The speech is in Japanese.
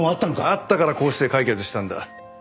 あったからこうして解決したんだ。